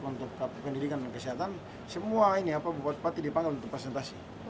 untuk pendidikan dan kesehatan semua ini bupati dipanggil untuk presentasi